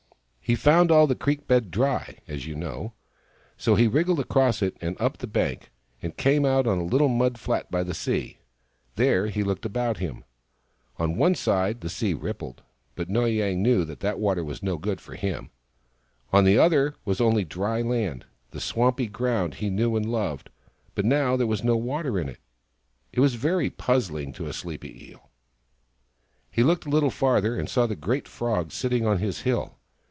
He found all the creek bed dry, as you know ; so he wriggled across it and up the bank, and came out on a little mud flat by the sea. There he looked about him. On one side the sea rippled, but Noy Yang knew that its water was no good for him. On the other was only dry land — the swampy ground he knew and loved, but now there was no water in it. It was very puzzling to a sleepy Eel. He looked a little farther and saw the great Frog sitting on his hill.